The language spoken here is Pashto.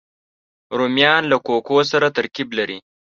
رومیان له کوکو سره ترکیب لري